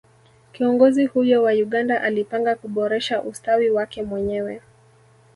kiongozi huyo wa Uganda alipanga kuboresha ustawi wake mwenyewe